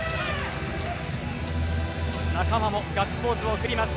仲間もガッツポーズを送ります。